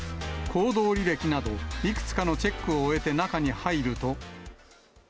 行動履歴など、いくつかのチェックを終えて中に入ると。